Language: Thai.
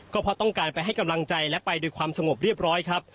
ก็เพราะต้องการไปให้กำลังใจและไปโดยความสงบเรียบร้อยครับ